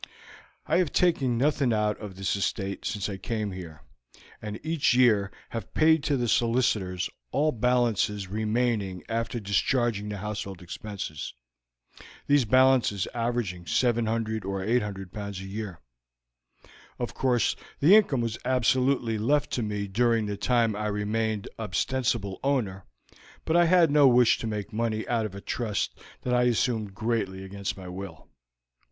I have taken nothing out of this estate since I came here, and each year have paid to the solicitors all balances remaining after discharging the household expenses, these balances averaging 700 or 800 pounds a year. Of course the income was absolutely left to me during the time I remained ostensible owner, but I had no wish to make money out of a trust that I assumed greatly against my will.